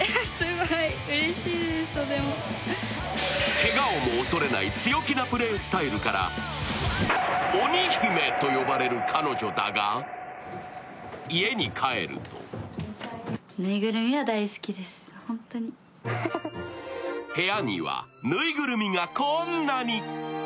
けがをも恐れない強気なプレースタイルから鬼姫と呼ばれる彼女だが家に帰ると部屋には、ぬいぐるみがこんなに。